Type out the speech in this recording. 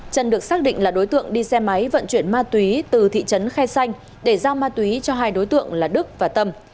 trần được xác định là đối tượng đi xe máy vận chuyển ma túy từ thị trấn khe xanh để giao ma túy cho hai đối tượng là đức và tâm